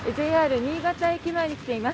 新潟駅前に来ています。